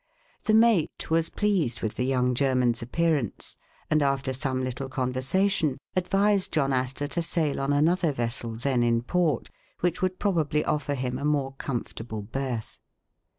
The mate was pleased with the young German's appearance, and after some little conversation, advised John Astor to sail on another vessel then in port, which would probably of fer him a more comfortable berth.